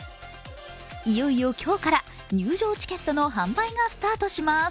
いよいよ今日から入場チケットの販売がスタートします。